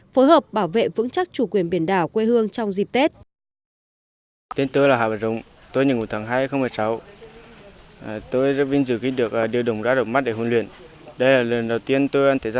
phối hợp bảo vệ vững chắc chủ quyền biển đảo quê hương trong dịp tết